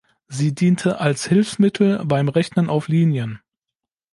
Sie diente als Hilfsmittel beim Rechnen auf Linien.